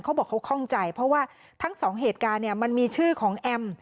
เขาบอกเขาคล่องใจเพราะว่าทั้งสองเหตุการณ์เนี่ยมันมีชื่อของแอม